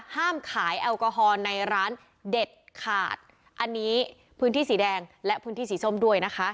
ห้ามขายแอลกอฮอลในร้านเด็ดขาดอันนี้พื้นที่สีแดงและพื้นที่สีส้มด้วยนะคะ